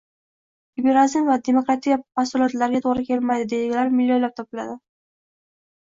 liberalizm va demokratiya postulatlariga toʻgʻri kelmaydi deydiganlar millionlab topiladi.